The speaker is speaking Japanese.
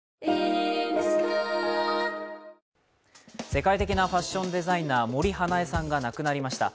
世界的なファッションデザイナー、森英恵さんが亡くなりました。